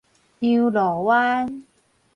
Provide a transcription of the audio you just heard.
洋路灣